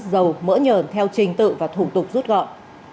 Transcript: giàu mỡ nhờn theo trình tự và thủ tục rút gọn